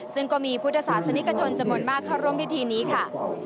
ซึ่งก็มีพุทธศาสนิกชนจำนวนมากเข้าร่วมพิธีนี้ค่ะ